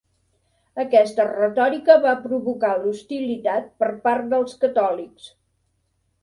Aquesta retòrica va provocar l'hostilitat per part dels catòlics.